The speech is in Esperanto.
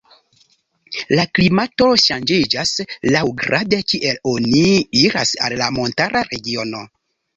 La klimato ŝanĝiĝas laŭgrade kiel oni iras al la montara regiono.